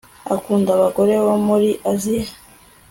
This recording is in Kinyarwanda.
Akunda abagore bo muri Aziya